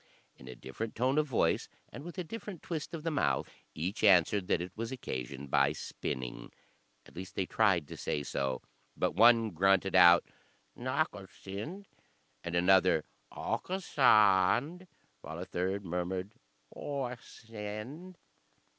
In a different tone of voice, and with a different twist of the mouth, each answered that it was occasioned by spinning. At least they tried to say so, but one grunted out "Nakasind," and another "Owkasaänd," while a third murmured "O a a send."